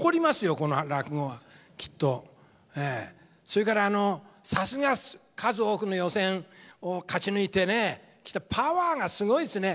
それからあのさすが数多くの予選を勝ち抜いてきたパワーがすごいですね。